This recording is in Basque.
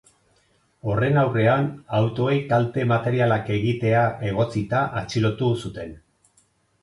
Horren aurrean, autoei kalte materialak egitea egotzita atxilotu zuten.